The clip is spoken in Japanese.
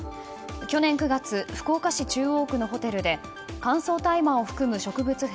去年９月福岡市中央区のホテルで乾燥大麻を含む植物片